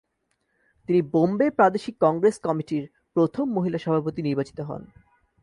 তিনি বোম্বে প্রাদেশিক কংগ্রেস কমিটির প্রথম মহিলা সভাপতি নির্বাচিত হন।